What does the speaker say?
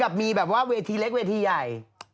แบบว่าเวทีเล็กเวทีใหญ่